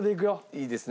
いいですね？